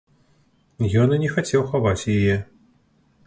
Ён і не хацеў хаваць яе.